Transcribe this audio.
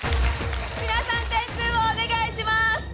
⁉皆さん点数をお願いします。